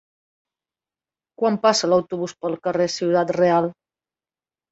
Quan passa l'autobús pel carrer Ciudad Real?